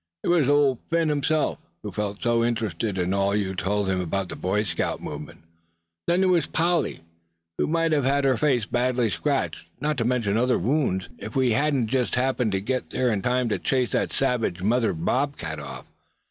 There was Old Phin himself, who felt so interested in all you told him about the Boy Scout movement; then there was Polly, who might have had her face badly scratched, not to mention other wounds, if we hadn't just happened to get there in time to chase that savage mother bobcat off.